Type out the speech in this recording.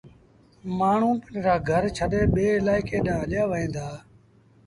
مآڻهوٚݩ پنڊرآ گھر ڇڏي ٻي الآئيڪي ڏآنهن هليآوهيݩ دآ۔